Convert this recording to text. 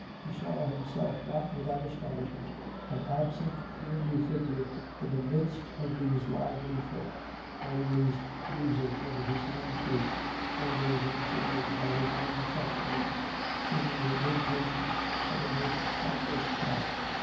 He saw himself, not without astonishment, an absent gloomy figure in the midst of these lively folk, always musing over his own fate, always absorbed by his own sufferings, seemingly impatient of the most harmless chat.